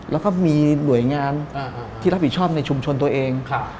แล้วก็มีหน่วยงานที่รับผิดชอบในชุมชนตัวเอง